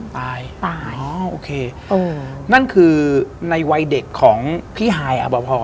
ตายโอเคนั่นคือในวัยเด็กของพี่ฮายเปราะพร